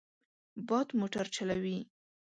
باد موټر چلوي.